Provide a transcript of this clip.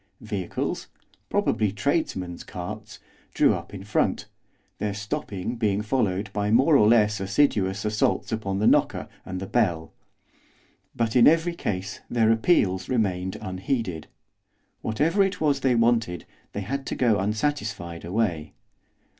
Vehicles probably tradesmen's carts drew up in front, their stopping being followed by more or less assiduous assaults upon the knocker and the bell. But in every case their appeals remained unheeded. Whatever it was they wanted, they had to go unsatisfied away.